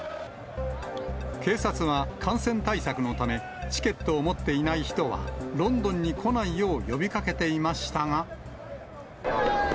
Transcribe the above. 警察は、感染対策のため、チケットを持っていない人はロンドンに来ないよう呼びかけていましたが。